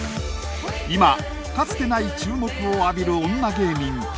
今かつてない注目を浴びる女芸人たち。